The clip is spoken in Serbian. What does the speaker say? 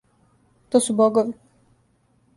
То су богови.